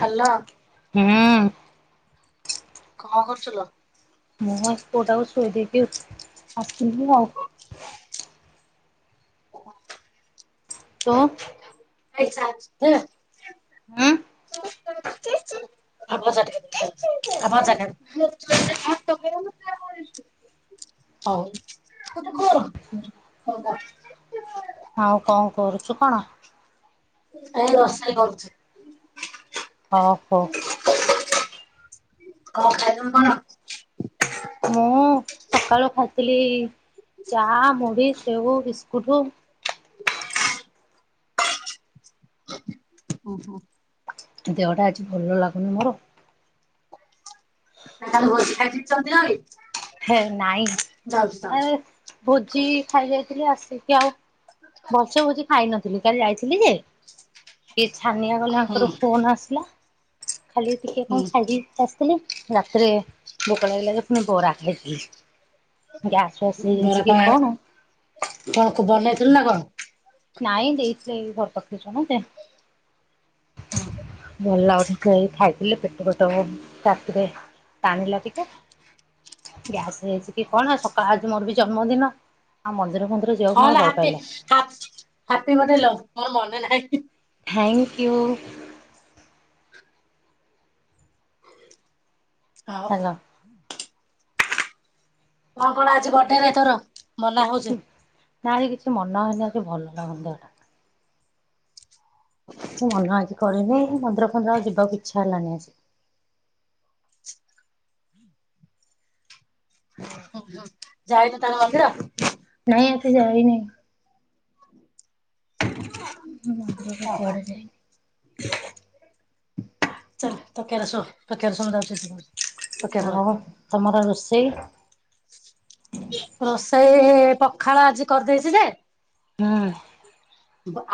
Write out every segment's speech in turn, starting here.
Hello. ହୁଁ। କଣ କରୁଚୁ ଲୋ? ମୁଁ ଆସି ପୁଅଟକୁ ଶୋଇ ଦେଇ ବସିଥିଲି ଆଉ। ତୋ ପଇସା ଅଛି ଯେ ହଁ। ଚେ, ଚେ [unintelligible] ଆମ ଭଜା ଟିକେ ନେ ଖାଇବୁ ଆ ଭଜା ଖାଇବୁ। ହଉ [unintelligible] ଆଉ କଣ କରୁଛୁ କଣ? ସେ ରସେଇ କରୁଛି। ଓହୋ କଣ ଖାଇଲୁଣୀ କଣ? ମୁଁ ସକାଳୁ ଖାଇଥିଲି ଚା, ମୁଢି, ସେଉ, ବିସ୍କୁଟୁ। ଓହୋ ଦେହଟା ଆଜି ଭଲ ଲାଗୁନି ମୋର। ତାହାଲେ ଭୋଜି ଖାଇ ଦେଇଛନ୍ତି ଭାରି। ହେ ନାଇଁ ଆ ଯାଉଛି ଭୋଜି ଖାଇଯାଇଥିଲି ଆସିକି ଆଉ ଭଲ ସେ ଭୋଜି ଖାଇ ନଥିଲି କାଲି ଯାଇଥିଲି ଯେ ଏ ଛାନିଆ କଲେ ହୁଁ ଆଙ୍କର ଫୋନ ଆସିଲା ଖାଲି ଟିକେ ହୁଁ କଣ ଖାଇଦେଇ ପଳିଆଶେ ଥିଲି, ରାତିରେ ଭୋକ ଲାଗିଲା ପୁଣି ବରା ଖାଇ। ବରା କଣ ଆଣି କଣ ତୁ ବନେଇଥିଲୁ ନା କଣ? ନାଇଁ ଦେଇଥିଲେ ଏଇ ଘର ପାଖରୁ। ରହନ୍ତେ ଭଲ ଲାଗୁନି ତ ଏଈ ଖାଇ ହେଲେ ପେଟ କଟା ହବ ରାତିରେ ଟାଣିଲା ଟିକ ଗ୍ୟାସ ହେଇଛି କି କଣ ସକାଳ ଆଜି ମୋର ବି ଜନ୍ମଦିନ ଆଉ ମନ୍ଦିର ମନ୍ଦିର ହଁ ଲ ହାତୀ ହା ହାପି ବର୍ଥଡେ ଲ ମୋର ମନେ ନାହିଁ। Thank you. ହଁ। ହେଲା କଣ କଣ ଆଜି ବର୍ଡେ ରେ ତୋର ମନା ହଉଛି? ନାଇ କିଛି ମନା ହଉନି ଆଜି ଭଲ ଲାଗୁନି ଦେହଟା। କିଛି ମନ ଆଜି କରିନି ମନ୍ଦିର ଫନ୍ଦିର ଆଉ ଯିବାକୁ ଇଚ୍ଛା ହେଲାନି ଆଜି। ହାଲୋ ହୁଁ ହୁଁ ଯାଇନୁ ତା ହେଲେ ମନ୍ଦିର? ନାଇଁ ଆଜି ଯାଇ ନି। ମନ୍ଦିରରେ ଓହୋ କୁଆଡେ ଯିବି। ଚାଲ ତକିଆରେ ଶୋ ତକିଆରେ ଶୋ ମୁଁ ଯାଉଛି ସେପଟେ। ଆଉ ତମର ରୋଷେଇ? ରୋଷେଇ ପଖାଳ ଆଜି କରିଦେଇଛି ଯେ ହୁଁ।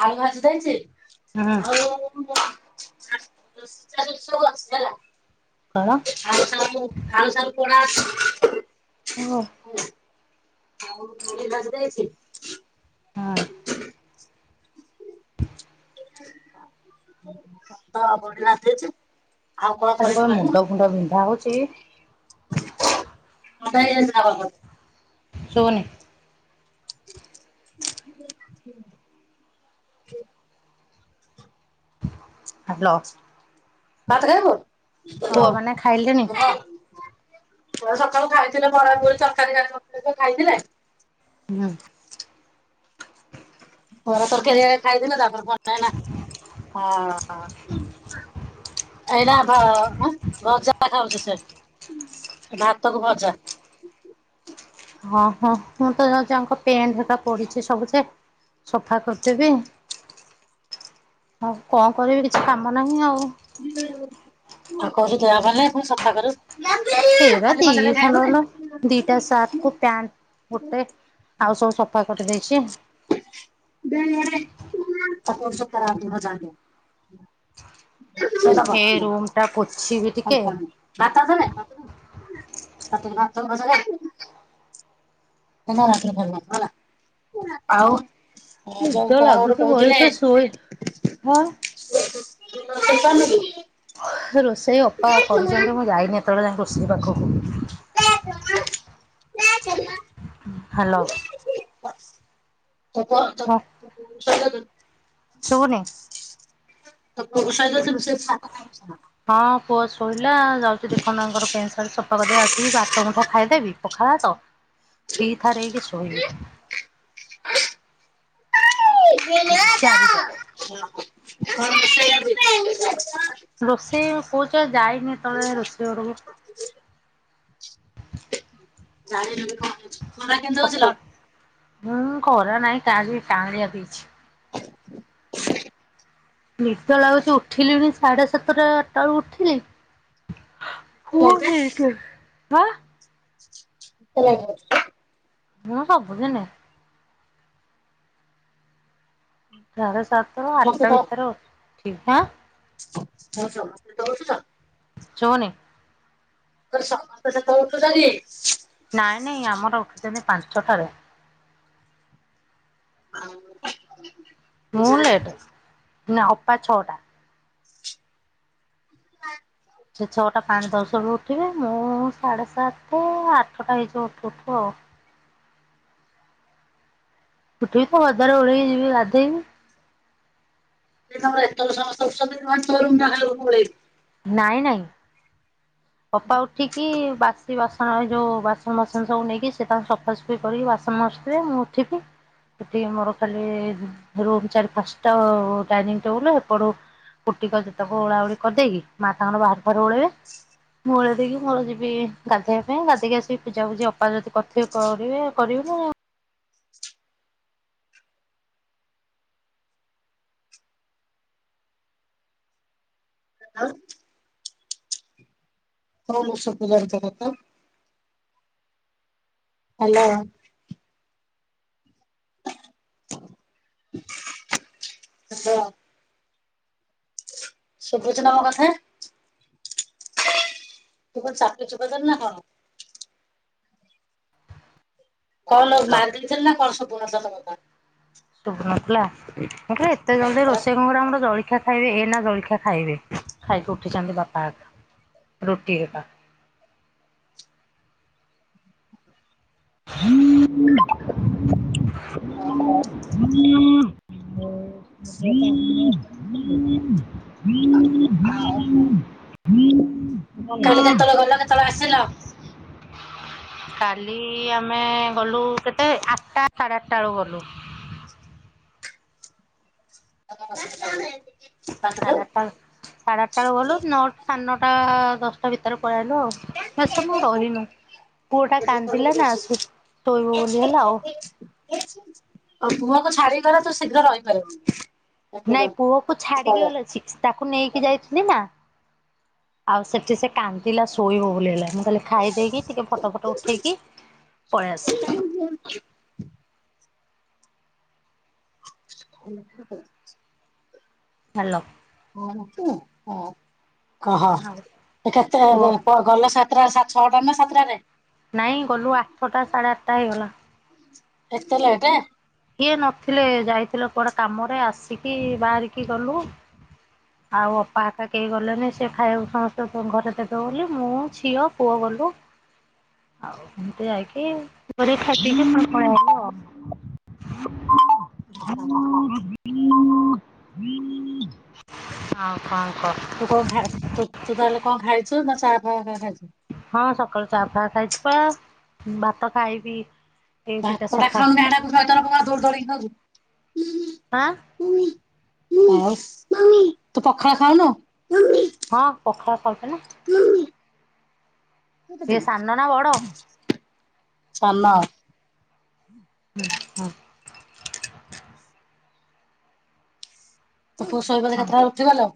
ଆଳୁ ଭାଜି ଦେଇଛି ହୁଁ ଆଉ [inaudible] ଚାଳିଶି, ଷୋହଳ, ଅସିଏ ହେଲା। କଣ? ଆଳୁ ସାରୁ ଆଳୁ ସାରୁ ପୋଡ଼ା ଅଛି। ହଁ। [unintelligible] ଭାଜି ଦେଇଛି। ଆଜି ଖତ ପରିବା ଦେଇଛି। ଆଉ ଆଜି କରିବି କଣ କହିଲୁ ମୁଣ୍ଡ ଫୁଣ୍ଡ ବିନ୍ଧା ହଉଛି। ଥଣ୍ଡା ହେଇ ଯାଇଛି ନା କଣ ବଧେ। ଶୁବୁନି। ହ୍ୟାଲୋ। ଭାତ ଖାଇବୁ? ହଁ ପୁଅ ମାନେ ଖାଇଲେଣି? ରୁହ। ପ ସକାଳୁ ଖାଇଥିଲେ ବରା [unintelligible] ତରକାରୀ ହେରିକା କରିଥିଲେ ଯେ ଖାଇଥିଲେ। ହୁଁ। ବରା ତରକାରି ହେରିକା ଖାଇଥିଲେ ତାପରେ ଭଲ ଲାଗିଲା, ହଁ। ଏଇଟା ଭ ଭଜା ଖାଉଛି ସେ। ଭାତକୁ ଭଜା। ହଁ ହୋ ମୁଁ ତ ଯାଉଛି ଆଙ୍କ ପେଣ୍ଟ ହେରିକି ପଡିଛି ସବୁଯେ ସଫା କରିଦେବି। ଆଉ କଣ କରିବି କିଛି କାମ ନାହିଁ ଆଉ। [unintelligible] କଲେ ପୁଣି ସଫା କରିବୁ। ଏରା ଦି ଖଣ୍ଡ ଲୋ [unintelligible] ଦିଟା ସାର୍ଟ କୁ ପ୍ୟାଣ୍ଟ ଗୋଟେ ଆଉ ସବୁ ସଫା କରିଦେଇଛି। [unintelligible] ସେ ଦବ ଏ ରୁମ ଟା ପୋଛିବି ଟିକେ କନଫର୍ମ। [unintelligible] [unintelligible] ଆଉ। ହଁ ନିଦ ଯଉ କଣ ଗୋଟେ ଲାଗୁଛି କହୁଥିଲେ। ବଳିସେ ଶୋଇ ହଁ [inaudible] ରୋଷେଇ ଅପା କରିଛନ୍ତି ମୁଁ ଯାଇନି ଏତେବେଳେ ଯାକେ ରୋଷେଇ ପାଖକୁ। ଖରା ହ୍ୟାଲୋ। [unintelligible] ଶୁବୁନି। [unintelligible] ହଁ ପୁଅ ଶୋଇଲା ଯାଉଛି ଦିଖଣ୍ଡ ଆଙ୍କର ପେଣ୍ଟ ସାର୍ଟ ସଫା କରିକି ଆସିକି ଭାତ ମୁୁଠେ ଖାଇଦେବି ପଖଳଭାତ ଦିଥା ଦେଇକି ଶୋଇବି। ହ [unintelligible] ଚାରିଯାଗରେ [unintelligible] ରୋଷେଇ କହୁଛ ଯାଇନି ଏତେଳ ଯାକେଁ ରୋଷେଇ ଘରକୁ। [inaudible] [unintelligible] ହଉଛି ଅପା ଲୋ? ମୁଁ ଖରା ନାଇଁ ଖାଲି କାଁଆଳିଆ ଦେଇଛି। [inaudible] ନିଦ ଲାଗୁଛି ଉଠିଲିଣି ସାଢେ ସାତଟା ଆଠଟା ବେଳ ଉଠିଲି। ହୁ ହେଇ କେ ଆ। [unintelligible] ହେଲାଣି ଆଜି କାଇଁ। ମୁଁ ସବୁଦିନେ। ସାଢେ ସାତରୁ ଆଠଟା ତ ଭିତରେ ଉଠି ଆଁ [unintelligible] ଶୁବୁନି। ତ ସମସ୍ତେ ସେତେ ବେଳୁ ଉଠୁଛନ୍ତି? ନାଇଁ ନାଇଁ ଆମର ଉଠୁଛନ୍ତି ପାଞ୍ଚଟାରେ। ହ [unintelligible] ମୁଁ ଲେଟ୍ ନା ଅପା ଛଅଟା। ହଁ। ସେ ଛଅଟା ପାଞ୍ଚ ଦଶହଳୁ ଉଠିବେ ମୁଁ ସାଢ଼େ ସାତଟ ଆଠଟା ହେଇଯିବ ଉଠୁଉଠୁ ଆଉ। ଉଠିବେତ। ଘରଦ୍ୱାର। ଓଳିଇକିଯିବି ଗାଧୋଇବି। [unintelligible] ନାଇଁ ନାଇଁ। ଅପା ଉଠିକି ବାଥ୍ ସେ ବାସନରେ ଯୋଉ ବାସନ ମସନ ସବୁ ନେଇକି ସେ ତାଙ୍କୁ ସଫାସଫା କରିକି ବାସନ ମଜୁଥିବେ ମୁଁ ଉଠିବି ସେଠି ମୋର ଖାଲି ରୁମ ଚାରି ଫଞ୍ଚଟା ଡାଇନିଂ ଟେବୁଲ ଏପଟୁ କୁଟିକ ଯେତକୁ ଓଳାଉଳି କରିଦେଇକି ମା ତାଙ୍କର ବାହାରାରେ ଫାରୁ ଓଳେଇବେ ହ [inaudible] ମୁୂଳେ ଦେଇକି ମୂଳ ଯିବି ଗାଧୋଇବା ପାଇଁ ଗାଧୋଇକି ଆସିକି ପୂଜାୂୁଜି ଅପାର ଯଦି କରିଥିବେ କରିବେ କରିବେ ନା। ନଇଛି। କଷ ପଜାରଥିଲା [unintelligible] ହାଲୋ।। ହାଲୋ। ଶୁଭୁଚି ନା ମୋ କଥା? ତୁ କଅଁ ଚାପି ଚୁପା ଦେଲୁନା କଣ? କଣ ଲୋ ନା ମାରିଦେଇଥିଲେ ନା କଣ [unintelligible] ସୁବୁ ନଥିଲା ମୁଁ କଇଲି ଏତେ ଜଲଦି ବାପରା ରୋଷେଇ ଆମର ଆମର ଜଳଖିଆ ଖାଇବେ ଏଇନା ଜଳଖିଆ ଖାଇବେ। ଖାଇକି ଉଠିଚନ୍ତି ବାପା ଏ ରୁଟି ହେରିକା। [unintelligible] ହଁ। [unintelligible] [unintelligible] ଆ ଆଉ। [unintelligible] କାଲି କେତେବେଳେ ଗଲ କେତେବେଳେ ଆସିଲ? କାଲି ଆମେ ଗଲୁ କେତେବେଳେ ଆଠଟା ସାଢେ ଆଠଟା ବେଳକୁ ଗଲୁ। [unintelligible] ଭାତ ସାଢେ ଖାଉ? ଆଠଟା ସାଢେ ଆଠଟା ବେଳୁ ଗଲୁ ନଅ ସାଢେ ନଅଟା ଦଶଟା ଭିତରେ ପଳେଆଇଲୁ ଆଉ। ବେଶୀ ସମୟ ରହିନୁ ପୁଅଟା କାନ୍ଦିଲା ନା ଆସୁ ଶୋଇବ ବୋଲି ହେଲା ଓ ତୋପୁଅକୁ ଛାଡିକି ଗଲେ ତୁ ଶୀଘ୍ର ରହିପାରିବୁନି। ଏଥିପାଇଁ ନାଇଁ ପୁଅକୁ ଛାଡିକି ପଳେଇଆ। ଗଲେ ସିକ୍ସି ତାକୁ ନେଇକି ଯାଇଥିଲି ନା ଆଉ ସେଠି ସେ କାନ୍ଦିଲା ଶୋଇବ ବୋଲି ହେଲା। ମୁଁ ଖାଲି ଖାଇ ଦେଇକି ଟିକେ ଫଟ ଫଟ ଉଠେଇକି ପଳେଇ ଆସିବି। [unintelligible] [unintelligible] ହାଲୋ। କହୁନୁ ତୁ କ‌ଅ [unintelligible] କହ‌ ଆଉ ଏ କେତେଟା କୁହ ହବ? କଣ ଗଲେ ସାତଟା ସାଢେ ଛଅଟା ନା ସାତଟାରେ? ନାଇଁ ଗଲୁ ଆଠଟା ସାଢେ ଆଠଟା ହେଇଗଲା। ଏତେ ଲେଟ୍। ଇଏ ନଥିଲେ ଯାଇଥିଲେ କୁଆଡେ କାମରେ ଆସିକି ବାହାରିକି ଗଲୁ। ଆଉ ଅପା ହେରିକା କେହି ଗଲେନି। ସେ ଖାଇବାକୁ ସମସ୍ତଙ୍କୁ ଘରେ ଦେବେ ବୋଲି ମୁଁ ଝିଅ ପୁଅ ଗଲୁ। ଆଉ ଏମିତି ଯାଇକି [unintelligible] ଖାଇକି ପିଇକି ଫୁଣି ପଳେଇ ଆଇଲୁ। ଆଉ କଣ କ‌ଅ? ତୁ କଣ ଖା ତୁ ତାହେଲେ କଣ ଖାଇଚୁ ନାଁ ଚାହା ଫାହା ହେରିକା ଖାଇଚୁ। ହଁ ସକାଳୁ ଚାହା ଫାହା ଖାଇଚି ପା ଉଁ ଭାତ ଖାଇବି। ଏଇ ଦିଟା ଭାତଟା ସଫା ଖାଉନୁ ହେଡେ ତୁ ଶହେ ଥର କଣ ପାଇଁ [unintelligible] ଧୌଡି ଧୌଡି କି ଖାଉଚୁ। ଆଁ। ଆଉସ୍ ତୁ ପଖାଳ ଖାଉନୁ? ହଁ ପଖାଳ ଖାଉଚି ନା। ଇଏ ସାନ ନା ବଡ? ସାନ। ହୁଁ ହଁ। ତୋ ପୁଅ ସୋଇବଜେ କେତିଟାବେଳେ ଉଠିବ ଲୋ।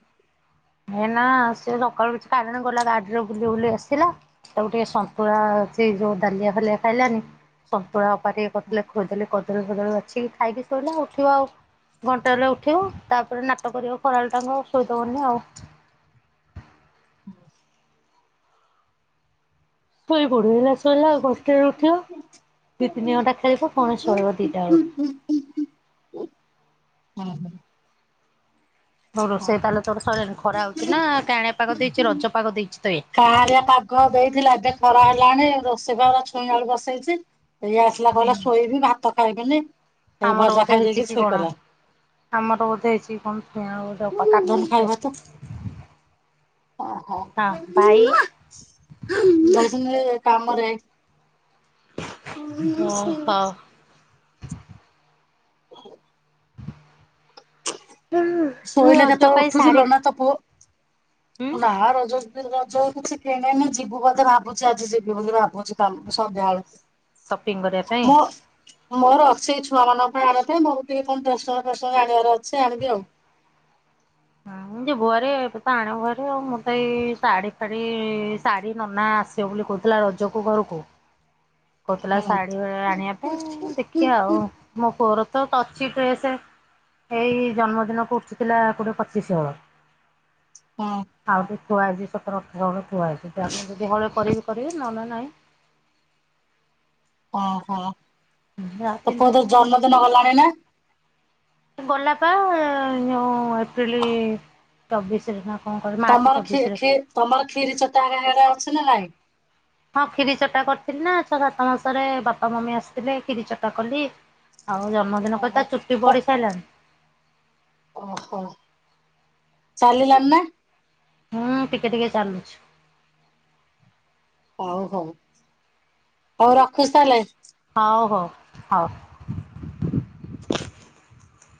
ଏ ନା ସେ ସକାଳୁ କିଛି ଖାଇଲାନି। ଗଲା ଗାଡିରେ ବୁଲି ବୁଲି ଆସିଲା। ତାକୁ ଟିକେ ସନ୍ତୁଳା ଅଛି ଯୋଉ ଡାଲିଆ ଫାଲିଆ ଖାଇଲାନି। ସନ୍ତୁଳା ଅପା ଟିକେ କରିଦଲେ ଖୋଇଦେଲେ କଦଳୀ ଫଦଳୀ ବାଛିକି ଖାଇକି ଶୋଇଲା ଉଠିବ ଆଉ। ଘଣ୍ଟେ ହେଲେ ଉଠିବ ତାପରେ ନାଟ କରିବ ଖରାବେଳଟାଙ୍କ ଶୋଇଦବନି ଆଉ। ଶୋଇ ପଡେ ଏଇନା ଶୋଇଲା ଘଣ୍ଟେ ହେଲେ ଉଠିବ। ଦି ତିନି ଘଣ୍ଟା ଖେଳିବ, ଫୁଣି ଶୋଇବ ଦିଇଟା ବେଳକୁ।। ନମସ୍କାର। ସବୁ ରୋଷେଇ ତାହେଲ ତମର ସରିନି। ଖରା ହୋଉଚି ନା କାଣାଁଳିଆ ପାଗ ଦେଇଚି, ରଜ ପାଗ ଦେଇଚି ତ ଏ କାଁଳିଆ ପାଗ ଦେଇଥିଲା ଏବେ ଖରା ହେଲାଣି। ରୋଷେଇ ପା ମୁଁ ଛୁଇଁ ଆଳୁ ବସେଇଚି। ଇଏ ଆସିଲା କହିଲା ଶୋଇବି ଭାତ ଖାଇବିନି, ଏ ଆମର ଭଜା ବୋଧେ ଖାଇ ହେଇଚି ଦେଇକି କି କଣ? ଶୋଇପଲା। ଆମର ବୋଧେ ହେଇଛି କଣ ଛୁଇଁ ଆଳୁ ଧନୁ [unintelligible] ଓହୋ ହଁ ଭାଇ [inaudible] କାମରେ ହେଇ ଅହ। [inaudible] ଶୋଇଲେ ରଜ କେତେବେଳେ ପାଇଁ ଶାଢୀ ଉଠୁଛୁଲ ମା ତୋ ପୁଅ ଉଁ ନା ରଜ [unintelligible] ରଜ କିଛି କିଣିନି ଯିବୁ ବୋଧେ ଭାବୁଛି ଆଜି ଯିବି ବୋଲି ଭାବୁଛି କାଲି ସନ୍ଧ୍ୟା ବେଳ ସପିଙ୍ଗ କରିବା ପାଇଁ। ମୋର ଅଛି ଏଇ ଛୁଆମାନଙ୍କ ପାଇଁ ଆମ ପାଇଁ ମୋର ଟିକେ କଣ ଆଣିବାର ଅଛି ଆଣିବି ଆଉ। [unintelligible] [inaudible] ତୀ ଭୁଅରେ ପାଣ ଘରେ ଆଉ ମୁଁତ ଏଇ ଶାଢ଼ୀ ଫାଢୀ ଶାଢୀ ନନା ଆସ ସିବ ବୋଲି କହୁଥିଲା ରଜକୁ ଘରୁକୁ। କହୁଥିଲା ହୁଁ ଶାଢୀ ଫା-ଆଣିବା ପାଇଁ ଦେଖିଆ ଆଉ ମୋ ପୁଅରତ ଅଛି ଡ୍ରେସ୍ ଏଇ ଜନ୍ମଦିନକୁ ଉଠିଥିଲା କୋଡ଼ିଏ ପଚିଶି ହଳ ହଁ। ଆଉ ବି ଥୁଆହେଇଛି ସତର ଅଠର ହଳ ଥୁଆହେଇଛି ତା ପାଇଁ ଯଦି ହଳେ କରିବେ କରିବେ ନହଲେ ନାଇଁ ଓହୋ ଯାହା ତୋ ପୁଅ ଦେଇ ପିନ୍ଧିବ ଆଉ ଜନ୍ମଦିନ ଗଲାଣି ନା? ଗଲାପା ଯୋଉଁ ଏପ୍ରିଲ ଚବିଶରେ ନା କଣ କରି ମାର୍ଚ୍ଚ ତମର ଖି ଚବିଶିରେ। ଖି ତମର କ୍ଷୀରି ଚଟା ହେରା ହେରା ଅଛିନା ନାଇଁ? ହଁ ଖିରି ଚଟା କରିଥିଲିନା ଛଅ ସାତ ମାସରେ ବାପା ମମି ଆସିଥିଲେ ଖିରି ଚଟା କଲି ଆଉ ଜନ୍ମଦିନ କରିତା ଚୁଟି ଓହୋ ପଡିସାରିଲାଣି। ଓହୋ ଚାଲିଲାନି ନା? ହୁଁ ଟିକେ ଟିକେ ଚାଲୁଛି। ହଉ ହଉ ହଉ ରଖୁଚି ତାହେଲେ? ହଉ ହଉ ହଉ।